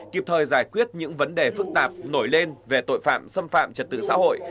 kịp thời giải quyết những vấn đề phức tạp nổi lên về tội phạm xâm phạm trật tự xã hội